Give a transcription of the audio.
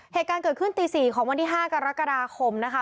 เหตุการณ์เกิดขึ้นตี๔ของวันที่๕กรกฎาคมนะคะ